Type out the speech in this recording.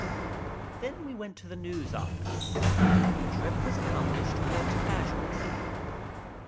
Then we went to the News office, and the trip was accomplished without casualty.